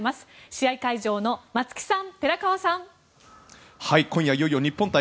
試合会場の松木さん、寺川さん。